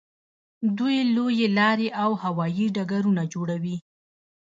دوی لویې لارې او هوایي ډګرونه جوړوي.